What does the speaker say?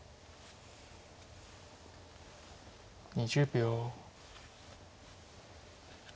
２０秒。